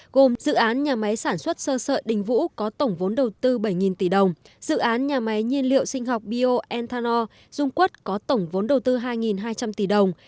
gồm dự án nhà máy sản xuất sơ sợi đình vũ có tổng vốn đầu tư bảy tỷ đồng dự án nhà máy nhiên liệu sinh học bio anthanol dung quất có tổng vốn đầu tư hai hai trăm linh tỷ đồng